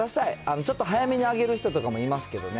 ちょっと早めに上げる人とかもいますけどね。